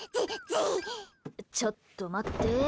ちょっと待って。